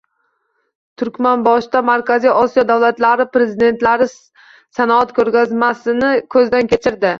Turkmanboshida Markaziy Osiyo davlatlari prezidentlari sanoat ko‘rgazmasini ko‘zdan kechirdi